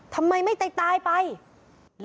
ทำไมไม่แต่ตายไปโอ้โห